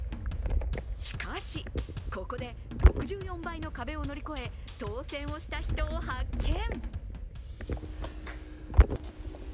しかし、ここで６４倍の壁を乗り越え当選をした人を発見。